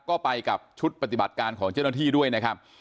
ก็ไปกับชุดปฏิบัติการของเจ้าหน้าที่ด้วยนะครับ